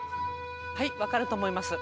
はいわかるとおもいます。